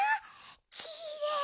きれい！